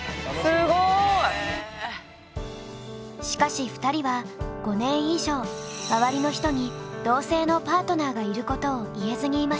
しかし２人は５年以上周りの人に同性のパートナーがいることを言えずにいました。